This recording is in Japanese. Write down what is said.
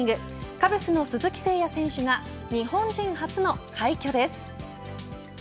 カブスの鈴木誠也選手が日本人初の快挙です。